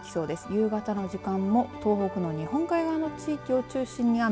夕方の時間も東北の日本海側の地域を中心に雨。